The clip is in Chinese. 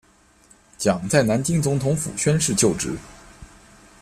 蒋在南京总统府宣誓就职。